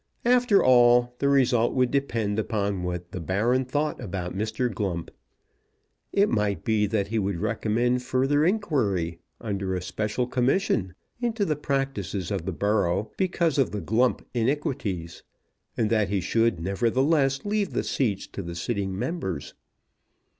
After all, the result would depend upon what the Baron thought about Mr. Glump. It might be that he would recommend further inquiry, under a special commission, into the practices of the borough, because of the Glump iniquities, and that he should, nevertheless, leave the seats to the sitting members.